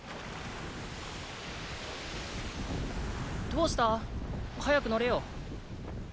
どうした早く乗れよ。